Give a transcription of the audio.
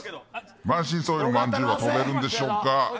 満身創痍のまんじゅうは跳べるんでしょうか。